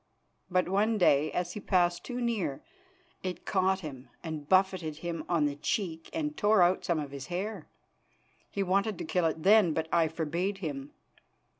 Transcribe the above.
But one day, as he passed too near, it caught him and buffeted him on the cheek and tore out some of his hair. He wanted to kill it then, but I forbade him.